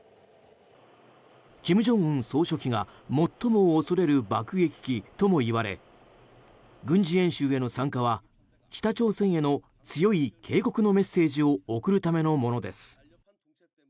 金正恩総書記が最も恐れる爆撃機ともいわれ軍事演習への参加は北朝鮮への強い警告のメッセージを送るためのものです。